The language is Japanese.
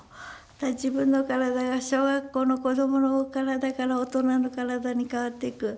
自分の体が小学校の子どもの体から大人の体に変わっていく。